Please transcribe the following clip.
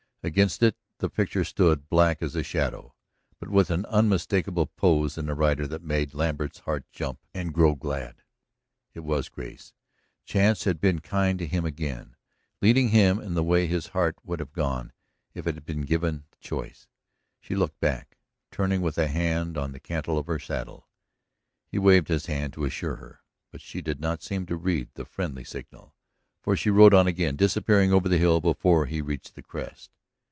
Against it the picture stood, black as a shadow, but with an unmistakable pose in the rider that made Lambert's heart jump and grow glad. It was Grace; chance had been kind to him again, leading him in the way his heart would have gone if it had been given the choice. She looked back, turning with a hand on the cantle of her saddle. He waved his hand, to assure her, but she did not seem to read the friendly signal, for she rode on again, disappearing over the hill before he reached the crest.